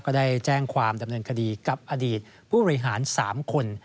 ก็ได้แจ้งความดำเนินคดีกับอดีตผู้บริหาร๓คน